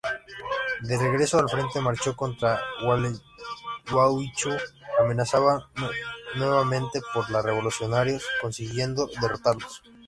De regreso al frente marchó contra Gualeguaychú amenazada nuevamente por los revolucionarios consiguiendo derrotarlos.